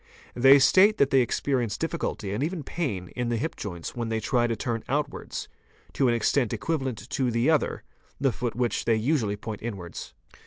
'They state that they experience difficulty and even pain in the hip joints when they try to turn outwards, to an extent equi valent to the other, the foot which they usually point inwards.